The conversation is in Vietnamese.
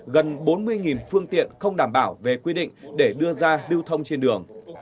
gần bốn mươi phương tiện không đảm bảo về quy định để đưa ra lưu thông trên đường